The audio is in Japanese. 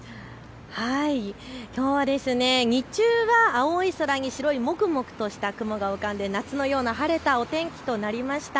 きょうは日中は青い空に白い雲が浮かんで夏のような晴れたお天気となりました。